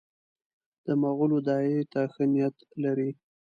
د مغولو داعیې ته ښه نیت لري.